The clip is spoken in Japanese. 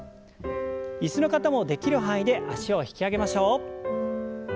椅子の方もできる範囲で脚を引き上げましょう。